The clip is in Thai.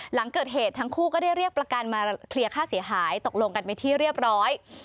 หลังเกิดเหตุทั้งคู่ก็ได้เรียกประกันมาเคลียร์ค่าเสียหายตกลงกันไปที่เรียบร้อย